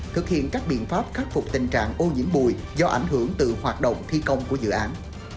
thực hiện các biện pháp khắc phục tình trạng ô nhiễm bùi do ảnh hưởng từ hoạt động thi công của dự án